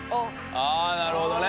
ああなるほどね。